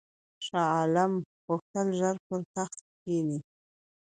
شاه عالم غوښتل ژر پر تخت کښېني.